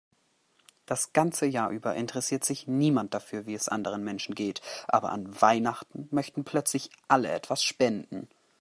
Das ganze Jahr über interessiert sich niemand dafür, wie es anderen Menschen geht, aber an Weihnachten möchten plötzlich alle etwas spenden.